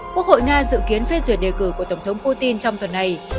quốc hội nga dự kiến phê duyệt đề cử của tổng thống putin trong tuần này